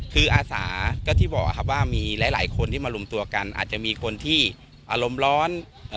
คืออาสาก็ที่บอกครับว่ามีหลายหลายคนที่มารวมตัวกันอาจจะมีคนที่อารมณ์ร้อน